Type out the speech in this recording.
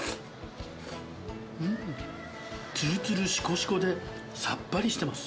つるつるしこしこでさっぱりしてます。